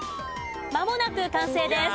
まもなく完成です。